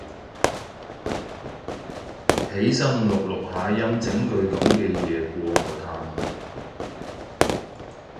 起身錄錄下音整句噉嘅嘢過我嘆